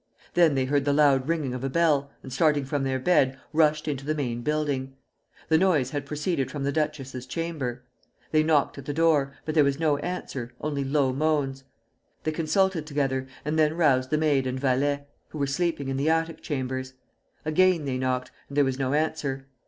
Then they heard the loud ringing of a bell, and starting from their bed, rushed into the main building. The noise had proceeded from the duchess's chamber. They knocked at the door, but there was no answer, only low moans. They consulted together, and then roused the maid and valet, who were sleeping in the attic chambers. Again they knocked, and there was no answer.